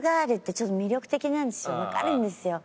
わかるんですよ。